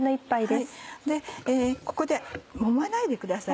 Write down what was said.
ここでもまないでください。